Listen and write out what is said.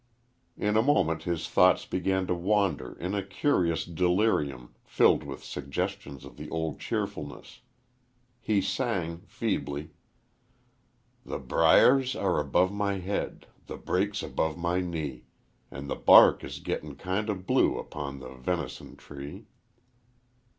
In a moment his thoughts began to wander in a curious delirium filled with suggestions of the old cheerfulness. He sang, feebly: "The briers are above my head, the brakes above my knee, An' the bark is gettin' kind o' blue upon the ven'son tree."